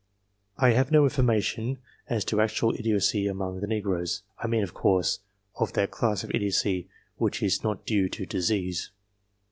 I have no information as to actual idiocy among the negroes I mean, of course, of that class of idiocy which is not due to disease.